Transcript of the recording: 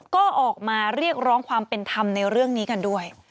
ก็ออกมาเรียกร้องความเป็นธรรมในเรื่องนี้กันด้วย